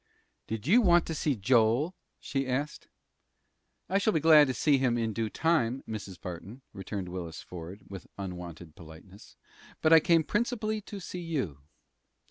"Did you want to see Joel?" she asked. "I shall be glad to see him in due time, Mrs. Barton," returned Willis Ford, with unwonted politeness; "but I came principally to see you."